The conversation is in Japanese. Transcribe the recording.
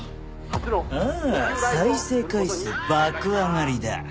ああ再生回数爆上がりだ。